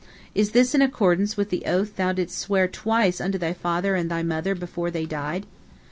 Is this in accordance with the oath thou didst swear twice unto thy father and thy mother before they died?